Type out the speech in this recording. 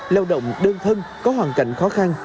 lao động đơn thân có hoàn cảnh khó khăn